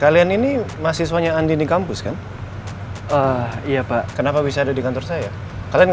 kalian ini mahasiswanya andi di kampus kan iya pak kenapa bisa ada di kantor saya kalian